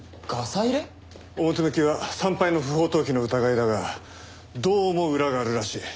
表向きは産廃の不法投棄の疑いだがどうも裏があるらしい。